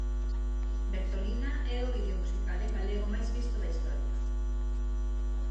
Bertolina é o vídeo musical en galego máis visto da historia.